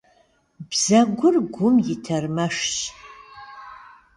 Bzegur gum yi termeşşş.